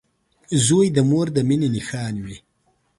• زوی د مور د مینې نښان وي.